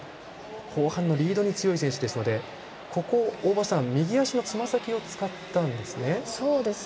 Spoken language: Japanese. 後半のリードに強い選手ですので大場さん、右足のつま先を使ったんですね。